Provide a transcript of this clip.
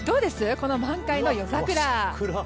この満開の夜桜。